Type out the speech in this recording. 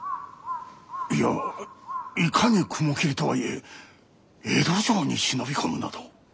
いやいかに雲霧とはいえ江戸城に忍び込むなど。